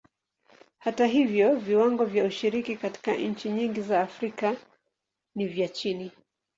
Hata hivyo, viwango vya ushiriki katika nchi nyingi za Afrika ni vya chini.